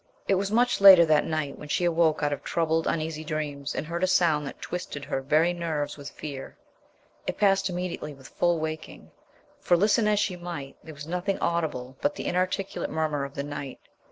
It was much later than night when she awoke out of troubled, uneasy dreams and heard a sound that twisted her very nerves with fear. It passed immediately with full waking, for, listen as she might, there was nothing audible but the inarticulate murmur of the night.